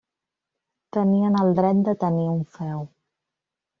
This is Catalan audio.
Tenien el dret de tenir un feu.